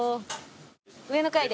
上の階で？